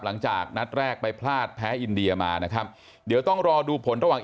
หลังจากนัดแรกไปพลาดแพ้อินเดียมานะครับเดี๋ยวต้องรอดูผลระหว่าง